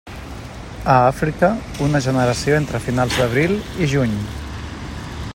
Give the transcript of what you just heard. A Àfrica una generació entre finals d'abril i juny.